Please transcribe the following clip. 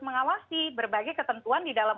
mengawasi berbagai ketentuan di dalam